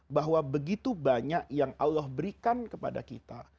bahwa begitu banyak yang allah berikan kepada kita